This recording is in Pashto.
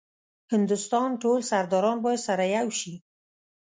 هندوستان ټول سرداران باید سره یو شي.